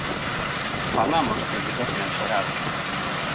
Falamos de educación xeral.